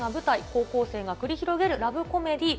高校生が繰り広げるラブコメディー。